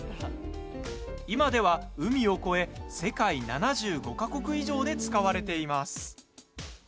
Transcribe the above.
今では海を越え世界７５か国以上で使われています。